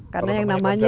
karena yang namanya